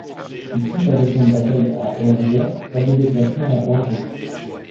Ici pas de champ de bataille à aire ouverte, pas de déplacement en rangée.